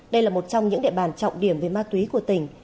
đây là một trong những địa bàn trọng điểm về ma túy của tỉnh